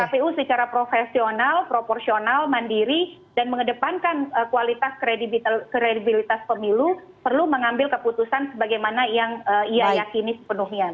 kpu secara profesional proporsional mandiri dan mengedepankan kualitas kredibilitas pemilu perlu mengambil keputusan sebagaimana yang ia yakini sepenuhnya